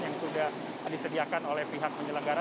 yang sudah disediakan oleh pihak penyelenggara